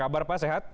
apa kabar pak sehat